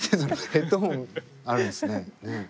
ヘッドホンあるんですね。